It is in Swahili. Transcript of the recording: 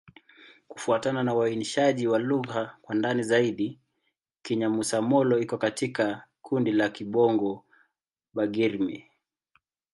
Kufuatana na uainishaji wa lugha kwa ndani zaidi, Kinyamusa-Molo iko katika kundi la Kibongo-Bagirmi.